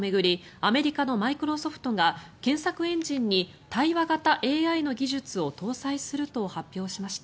アメリカのマイクロソフトが検索エンジンに対話型ＡＩの技術を搭載すると発表しました。